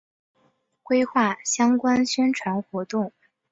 规划相关宣传活动